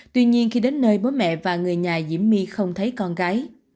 tuy nhiên khi đến nơi bố mẹ và người nhà diễm my không thấy con gái